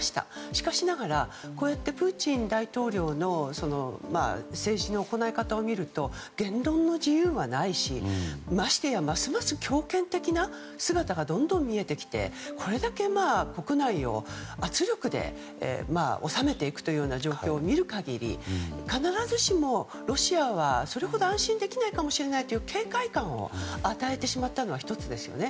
しかしながら、プーチン大統領の政治の行い方を見ると言論の自由はないしましてや、ますます強権的な姿がどんどん見えてきてこれだけ国内を圧力で治めていくという状況を見る限り必ずしもロシアはそれほど安心できないかもしれないという警戒感を与えてしまったのが１つですよね。